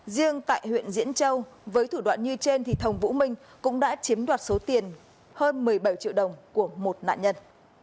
riêng tại huyện diễn châu với thủ đoạn như trên thì thồng vũ minh cũng đã chiếm đoạt số tiền hơn một mươi bảy triệu đồng của một nạn nhân